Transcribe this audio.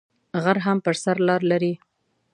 غر هم پر سر لار لری